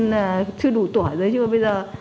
chị biết chưa đủ tuổi rồi chứ bây giờ